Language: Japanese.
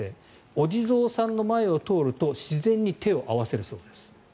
お地蔵さんの前を通ると自然に手を合わせるそうです。